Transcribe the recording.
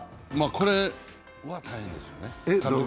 これは大変ですね。